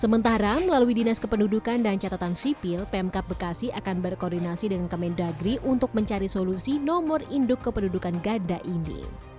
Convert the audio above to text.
sementara melalui dinas kependudukan dan catatan sipil pmk bekasi akan berkoordinasi dengan kementerian negeri untuk mencari solusi nomor indu kependudukan gada ini